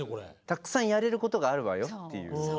たくさんやれることがあるわよっていう。